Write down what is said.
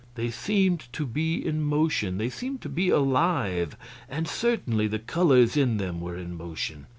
They seemed to be in motion, they seemed to be alive; and certainly the colors in them were in motion.